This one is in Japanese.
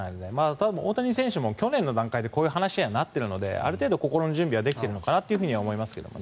ただ、大谷選手も去年の段階でこういう話になっているのである程度、心の準備はできていると思いますが。